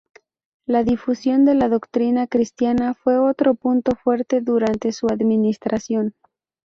La difusión de la doctrina cristiana fue otro punto fuerte durante su administración.